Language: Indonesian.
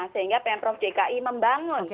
sehingga pemprov dki membangun